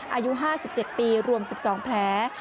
อายุ๕๗ปีรวม๑๒แผล